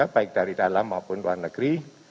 baik dari dalam maupun luar negeri